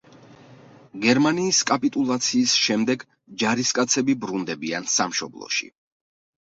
გერმანიის კაპიტულაციის შემდეგ ჯარისკაცები ბრუნდებიან სამშობლოში.